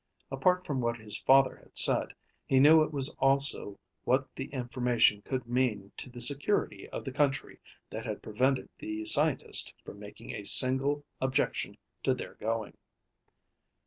Apart from what his father had said, he knew it was also what the information could mean to the security of the country that had prevented the scientist from making a single objection to their going.